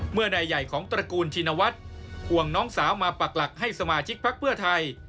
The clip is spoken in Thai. เมื่อนายใหญ่ของตระกูลชินวัฒน์ห่วงน้องสาวมาปักหลักให้สมาชิกพักเพื่อไทย